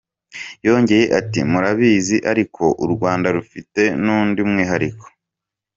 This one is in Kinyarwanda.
Yongeye ati "Murabizi ariko? U Rwanda rufite n’undi mwihariko.